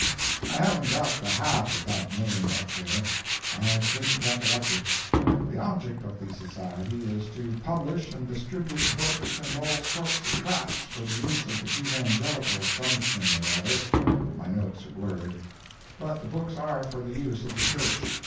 I haven't got the half of that name up there—I couldn't recollect it. The object of the Society is to publish and distribute books and all sorts of tracts for the use of the Evangelical something or other; my notes are blurred—but the books are for the use of the Church.